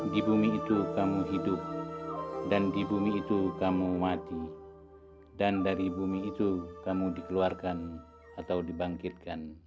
di bumi itu kamu hidup dan di bumi itu kamu mati dan dari bumi itu kamu dikeluarkan atau dibangkitkan